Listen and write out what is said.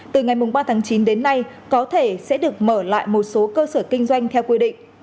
từ ngày ba tháng chín đến nay có thể sẽ được mở lại một số cơ sở kinh doanh theo quy định